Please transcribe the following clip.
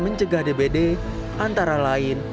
mencegah dbd antara lain